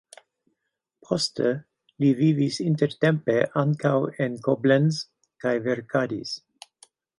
Poste li vivis intertempe ankaŭ en Koblenz kaj verkadis.